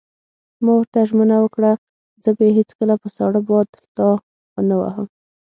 ما ورته ژمنه وکړه: زه به یې هېڅکله په ساړه باد لا ونه وهم.